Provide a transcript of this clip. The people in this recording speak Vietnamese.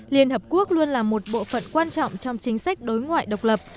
liên hợp quốc luôn là một bộ phận quan trọng trong chính sách đối ngoại độc lập